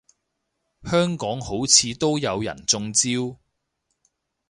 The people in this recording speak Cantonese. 香港好似都有人中招